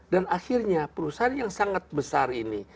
dan akhirnya perusahaan yang sangat besar ini